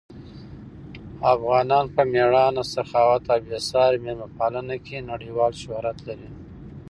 افغانان په مېړانه، سخاوت او بې ساري مېلمه پالنه کې نړیوال شهرت لري.